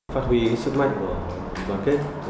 phát huy sức mạnh của đoàn kết